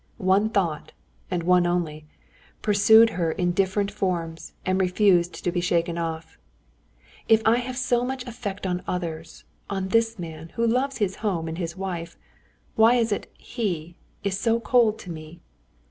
One thought, and one only, pursued her in different forms, and refused to be shaken off. "If I have so much effect on others, on this man, who loves his home and his wife, why is it he is so cold to me?...